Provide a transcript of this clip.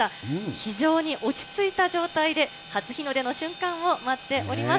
非常に落ち着いた状態で、初日の出の瞬間を待っております。